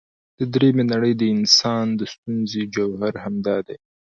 د درېمې نړۍ د انسان د ستونزې جوهر همدا دی.